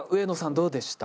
どうでした？